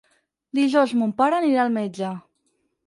Dijous mon pare anirà al metge.